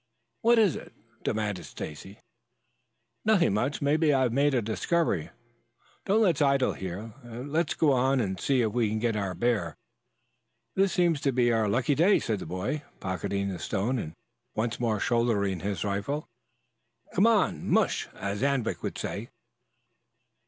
"What is it?" demanded Stacy. "Nothing much. Maybe I've made a discovery. Don't let's idle here. Let's go on and see if we can't get our bear. This seems to be our lucky day," said the boy, pocketing the stone and once more shouldering his rifle. "Come, mush, as Anvik would say."